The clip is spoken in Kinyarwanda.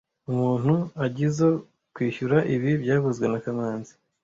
Umuntu agizoe kwishyura ibi byavuzwe na kamanzi